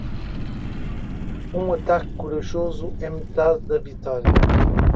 Um ataque corajoso é metade da vitória.